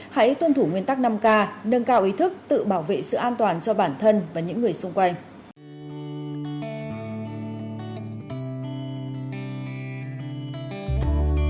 hãy tuân thủ nguyên tắc năm k nâng cao ý thức tự bảo vệ sự an toàn cho bản thân và những người xung quanh